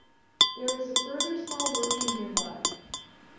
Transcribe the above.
There is a further small working nearby.